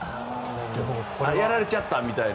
あ、やられちゃったみたいな。